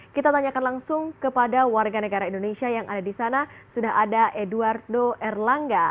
kita tanyakan langsung kepada warga negara indonesia yang ada di sana sudah ada edwardo erlangga